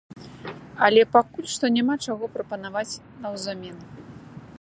Але пакуль што няма чаго прапанаваць наўзамен.